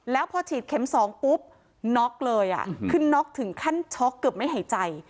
แล้วพอฉีดเข็ม๒ปุ๊บน็อกเลยคือน็อกถึงขั้นช็อกเกือบไม่หายใจ